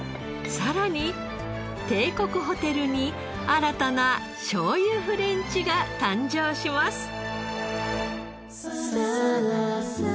さらに帝国ホテルに新たなしょうゆフレンチが誕生します。